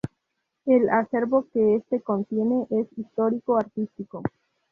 El acervo que este contiene es Histórico-Artístico.